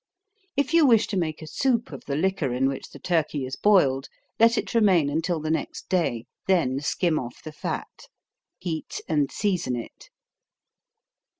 If you wish to make a soup of the liquor in which the turkey is boiled, let it remain until the next day, then skim off the fat. Heat and season it.